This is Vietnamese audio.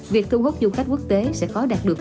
việc thu hút du khách quốc tế sẽ khó đạt được